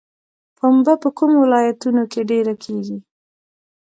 پنبه په کومو ولایتونو کې ډیره کیږي؟